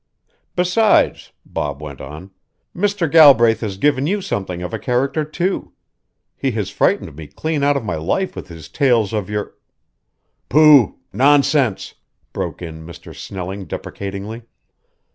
"Besides," Bob went on, "Mr. Galbraith has given you something of a character too. He has frightened me clean out of my life with his tales of your " "Pooh! Nonsense!" broke in Mr. Snelling deprecatingly.